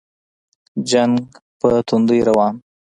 جنګ په توندۍ روان وو.